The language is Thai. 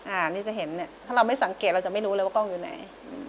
อันนี้จะเห็นเนี่ยถ้าเราไม่สังเกตเราจะไม่รู้เลยว่ากล้องอยู่ไหน